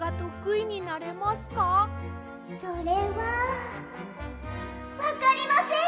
それは。わかりません！